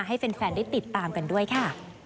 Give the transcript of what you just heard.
ให้แฟนได้ติดตามกันด้วยค่ะ